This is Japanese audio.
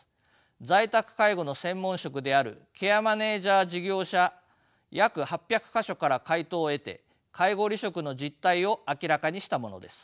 在宅介護の専門職であるケアマネージャー事業所約８００か所から回答を得て介護離職の実態を明らかにしたものです。